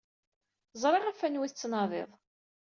Ẓriɣ ɣef wanwa ay tettnadiḍ.